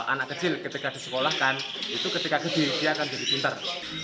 anak kecil ketika disekolahkan itu ketika kecil dia akan jadi pintar